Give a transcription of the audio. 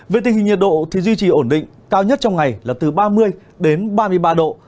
về tình hình nhiệt độ thì duy trì ổn định cao nhất trong ngày là từ ba mươi đến ba mươi ba độ